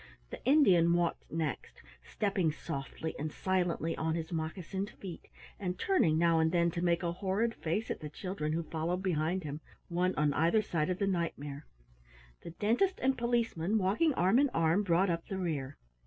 The Indian walked next, stepping softly and silently on his moccasined feet, and turning now and then to make a horrid face at the children who followed behind him, one on either side of the Knight mare. The Dentist and Policeman, walking arm in arm, brought up the rear.